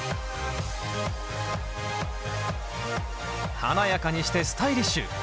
華やかにしてスタイリッシュ。